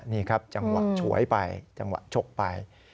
นี่ครับจังหวะฉวยไปจังหวะฉกไป